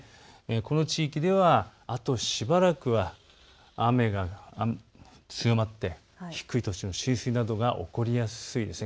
この地域ではあとしばらくは雨が強まって低い土地の浸水などが起こりやすいです。